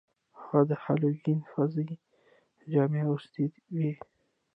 هغه د هالووین فضايي جامې اغوستې وې